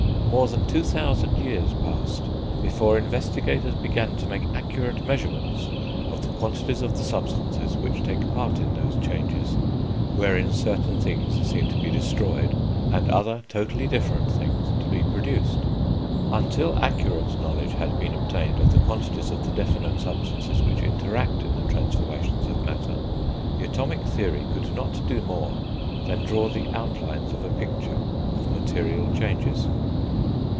More than two thousand years passed before investigators began to make accurate measurements of the quantities of the substances which take part in those changes wherein certain things seem to be destroyed and other totally different things to be produced; until accurate knowledge had been obtained of the quantities of the definite substances which interact in the transformations of matter, the atomic theory could not do more than draw the outlines of a picture of material changes.